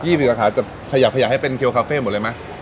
ใครอยากให้เป็นเครียลคาเฟ่หมดเลยไหม